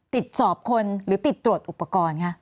ติดสอบคนหรือติดตรวจอุปกรณ์คะ